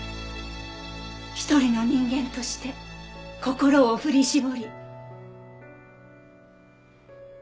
一人の人間として心を振り絞り。